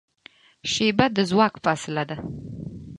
شیبه د ځواک فاصله ده.